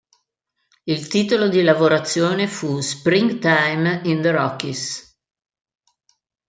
Il titolo di lavorazione fu "Springtime in the Rockies".